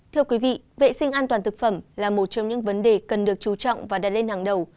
thưa quý vị vệ sinh an toàn thực phẩm là một trong những vấn đề cần được chú trọng và đặt lên hàng đầu